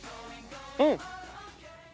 うん！